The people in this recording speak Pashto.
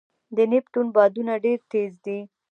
د نیپټون بادونه ډېر تېز دي.